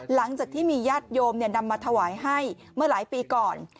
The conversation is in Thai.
หลังจากที่มีญาติโยมนำมาถวายให้เมื่อหลายปีก่อน